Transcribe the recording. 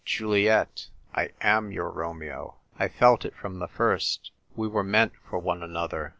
"Juliet, I am your Romeo. I felt it from the first. We were meant for one another."